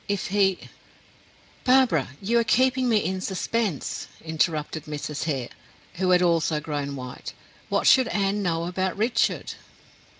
If he " "Barbara, you are keeping me in suspense," interrupted Mrs. Hare, who had also grown white. "What should Anne know about Richard?"